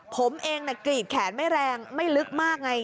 ผมเองกรีดแขนไม่แรงไม่ลึกมากไง